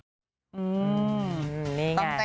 อืมนี่ไง